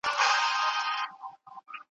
نقشه او د هغه د تطبیقولو.